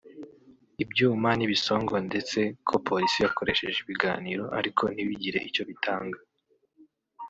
ibyuma n’ ibisongo ndetse ko polisi yakoresheje ibiganiro ariko ntibigire icyo bitanga